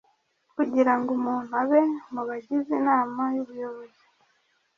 Kugira Ngo Umuntu Abe Mu Bagize Inama Y Ubuyobozi